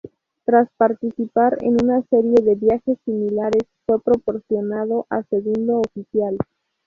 Tras participar en una serie de viajes similares fue promocionado a segundo oficial.